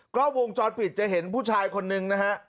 กล้องวงจรปิดจะเห็นผู้ชายคนนึงนะฮะ